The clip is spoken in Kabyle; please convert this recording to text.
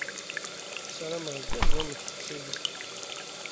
Ssarameɣ igerrez wamek tettiliḍ.